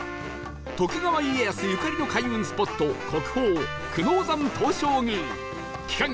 徳川家康ゆかりの開運スポット国宝久能山東照宮期間